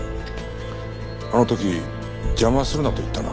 あの時邪魔するなと言ったな？